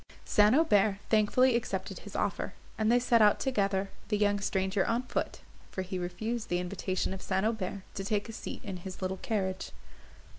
St. Aubert thankfully accepted his offer, and they set out together, the young stranger on foot, for he refused the invitation of St. Aubert to take a seat in his little carriage.